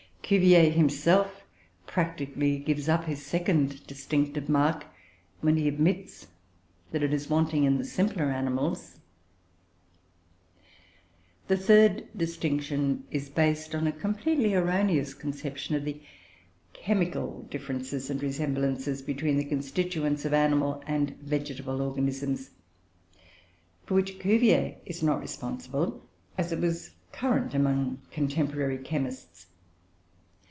Cuvier himself practically gives up his second distinctive mark when he admits that it is wanting in the simpler animals. The third distinction is based on a completely erroneous conception of the chemical differences and resemblances between the constituents of animal and vegetable organisms, for which Cuvier is not responsible, as it was current among contemporary chemists.